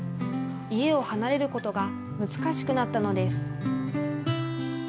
家を離れることが難しくなったのです。